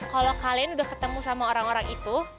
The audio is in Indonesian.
kalau kalian udah ketemu sama orang orang itu